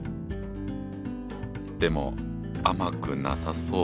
でも甘くなさそう。